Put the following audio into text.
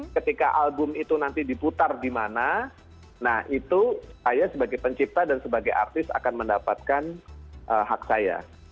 ketika album itu nanti diputar di mana nah itu saya sebagai pencipta dan sebagai artis akan mendapatkan hak saya